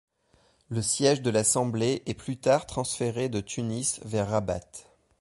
Le siège de l'assemblée est plus tard transféré de Tunis vers Rabat.